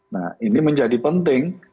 nah ini menjadi penting